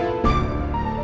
ini bikin saya neraka untung